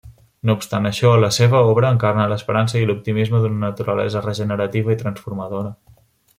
No obstant això, la seva obra encarna l'esperança i l'optimisme d'una naturalesa regenerativa i transformadora.